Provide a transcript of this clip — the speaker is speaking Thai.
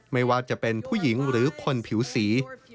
ไม่ว่าจะเป็นผู้หญิงหรือคนผิวสี